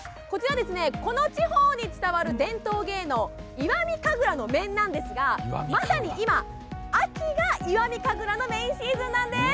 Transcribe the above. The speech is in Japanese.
この地方に伝わる伝統芸能石見神楽の面なんですがまさに今、秋が石見神楽のメインシーズンなんです。